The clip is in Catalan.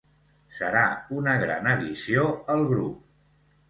Serà una gran addició al grup.